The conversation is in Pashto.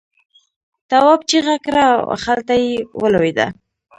تواب چیغه کړه او خلته یې ولوېده.